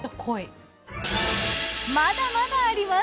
まだまだあります！